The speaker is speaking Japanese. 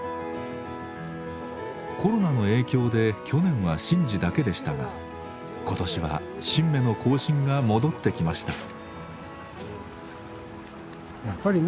コロナの影響で去年は神事だけでしたが今年は神馬の行進が戻ってきました。